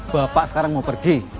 bapak sekarang mau pergi